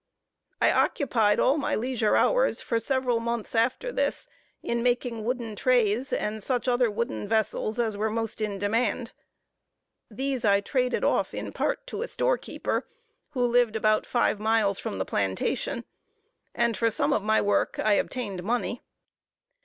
I occupied all my leisure hours, for several months after this, in making wooden trays, and such other wooden vessels as were most in demand. These I traded off, in part, to a store keeper, who lived about five miles from the plantation; and for some of my work I obtained money.